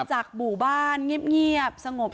จากบู่บ้านเงียบ